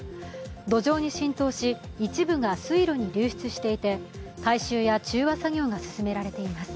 土壌に浸透し、一部が水路に流出していて回収や中和作業が進められています。